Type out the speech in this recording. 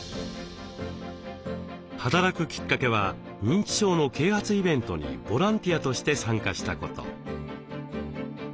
働くきっかけは認知症の啓発イベントにボランティアとして参加したこと。